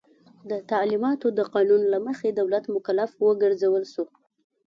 د تعلیماتو د قانون له مخي دولت مکلف وګرځول سو.